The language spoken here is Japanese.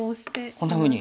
こんなふうに。